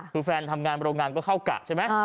คือแฟนทำงานโรงงานก็เข้ากะใช่ไหม